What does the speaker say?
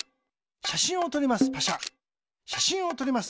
しゃしんをとります。